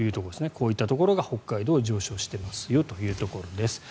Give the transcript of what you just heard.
こういったところが北海道は上昇していますよというところです。